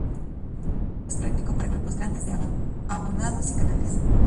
Esto sólo es práctico para grupos grandes de abonados y canales.